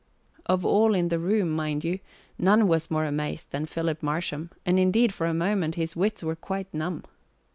Of all in the room, mind you, none was more amazed than Philip Marsham, and indeed for a moment his wits were quite numb.